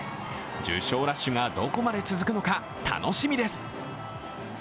受賞ラッシュがどこまで続くのか楽しみです。